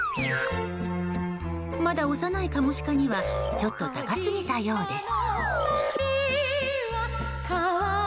まだ幼いカモシカにはちょっと高すぎたようです。